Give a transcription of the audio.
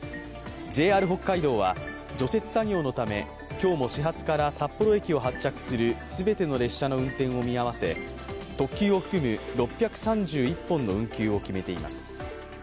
ＪＲ北海道は除雪作業のため、今日も始発から札幌駅を発着する全ての列車の運転を見合わせ特急を含む６３１本の運休を決めています。